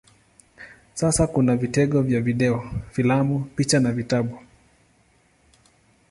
Sasa kuna vitengo vya video, filamu, picha na vitabu.